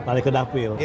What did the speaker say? balik ke dapil